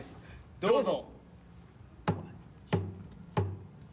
どうぞ！